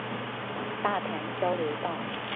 大潭交流道